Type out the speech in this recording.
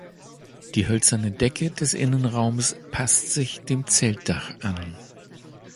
Die hölzerne Decke des Innenraums passt sich dem Zeltdach an.